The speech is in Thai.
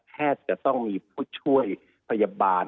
จะต้องมีผู้ช่วยพยาบาล